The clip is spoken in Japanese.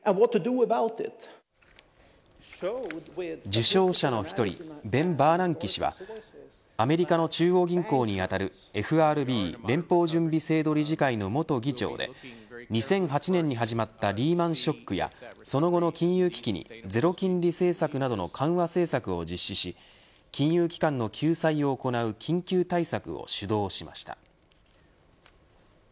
受賞者の１人ベン・バーナンキ氏はアメリカの中央銀行にあたるＦＲＢ連邦準備制度理事会の元理事長で２００８年に始まったリーマン・ショックやその後の金融危機にゼロ金利政策など緩和政策を実施し金融機関の救済を行う緊急対策を主導しました。